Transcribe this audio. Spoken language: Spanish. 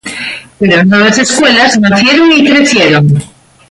Pero nuevas escuelas nacieron y crecieron.